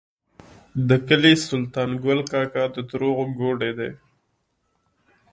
د کلي سلطان ګل کاکا د دروغو ګوډی و.